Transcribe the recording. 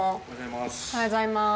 おはようございます。